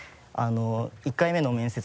１回目の面接